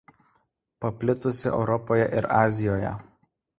Paplitusi Europoje ir Azijoje.